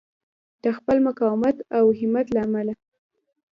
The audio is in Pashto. د خپل مقاومت او همت له امله.